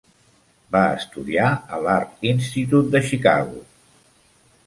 Va estudiar a l'Art Institute de Chicago.